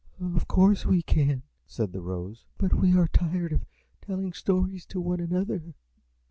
"Of course we can," said the Rose, "but we are tired of telling stories to one another."